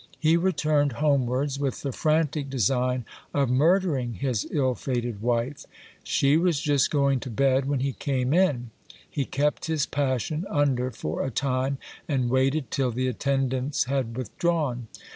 He returned homewards with the frantic design of murdering his ill fated wife. She was just going to bed when he came in. He kept his pas sion under for a time, and waited till the attendants had withdrawn.